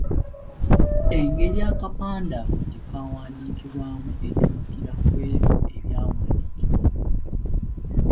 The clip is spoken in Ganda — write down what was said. Engeri akapande ako gye kaawandiibwamu etuukira ku ebyo ebyawandiikibwa.